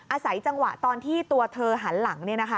อาศัยจังหวะตอนที่ตัวเธอหันหลัง